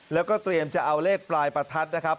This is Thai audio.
แล้วก็เตรียมจะเอาเลขปลายประทัดนะครับ